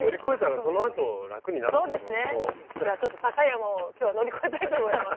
じゃあちょっと高い山を今日は乗り越えたいと思います。